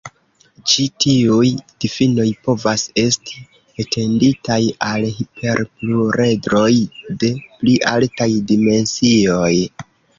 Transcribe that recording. Ĉi tiuj difinoj povas esti etenditaj al hiperpluredroj de pli altaj dimensioj.